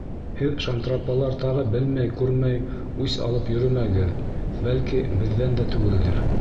— Һеҙ шантрапалар тағы белмәй-күрмәй үс алып йөрөмәгеҙ, бәлки, беҙҙән дә түгелдер.